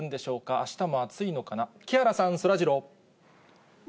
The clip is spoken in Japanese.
あしたも暑いのかな、木原さん、そらジロー。